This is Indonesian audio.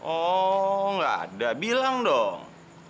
oh nggak ada bilang dong